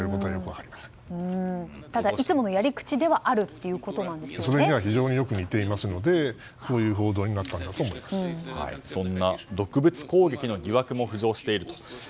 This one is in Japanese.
いつものやり口ではあるそれに非常によく似ていますのでそういう報道にそんな毒物攻撃の疑惑も浮上していると。